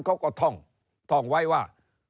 เขาก็ท่องไว้ว่า